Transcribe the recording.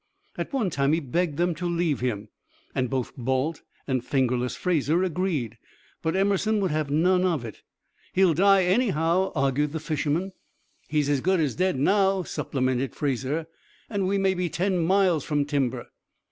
At one time he begged them to leave him, and both Balt and "Fingerless" Fraser agreed, but Emerson would have none of it. "He'll die, anyhow," argued the fisherman. "He's as good as dead now," supplemented Fraser, "and we may be ten miles from timber."